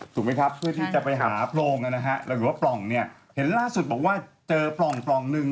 ถูกไหมครับเพื่อที่จะไปหาโพรงนะฮะหรือว่าปล่องเนี่ยเห็นล่าสุดบอกว่าเจอปล่องปล่องหนึ่ง